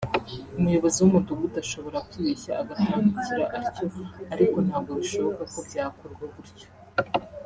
umuyobozi w’umudugudu ashobora kwibeshya agatandukira atyo ariko ntabwo bishoboka ko byakorwa gutyo